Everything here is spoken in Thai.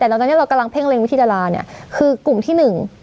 แต่ตอนนี้เรากำลังเพ่งเล็งวิธีดาราเนี่ยคือกลุ่มที่หนึ่ง